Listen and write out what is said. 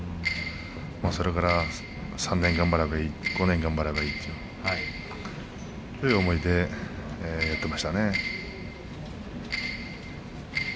それから３年頑張ればいい５年頑張ればいいという思いでやっていましたね。